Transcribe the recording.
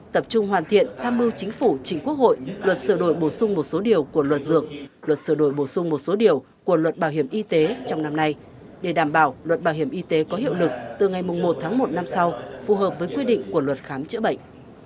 tập trung hoàn thiện tham mưu chính phủ chính quốc hội luật sửa đổi bổ sung một số điều của luật dược luật sửa đổi bổ sung một số điều của luật bảo hiểm y tế trong năm nay để đảm bảo luật bảo hiểm y tế có hiệu lực từ ngày một tháng một năm sau phù hợp với quy định của luật khám chữa bệnh